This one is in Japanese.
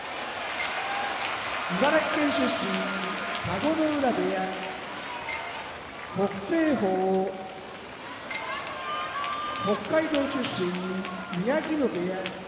茨城県出身田子ノ浦部屋北青鵬北海道出身宮城野部屋